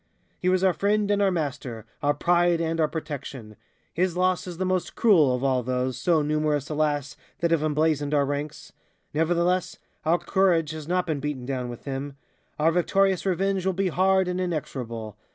"He was our friend and our master, our pride and our protection. His loss is the most cruel of all those, so numerous, alas, that have emblazoned our ranks. Nevertheless, our courage has not been beaten down with him. Our victorious revenge will be hard and inexorable."